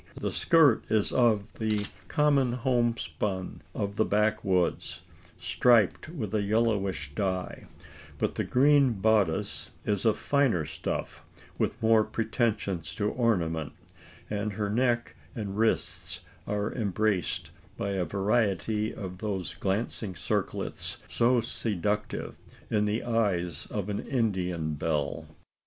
The skirt is of the common homespun of the backwoods, striped with a yellowish dye; but the green bodice is of finer stuff, with more pretensions to ornament; and her neck and wrists are embraced by a variety of those glancing circlets so seductive in the eyes of an Indian belle.